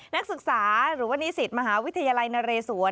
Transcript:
นักศึกษาหรือว่านิสิตมหาวิทยาลัยนเรศวร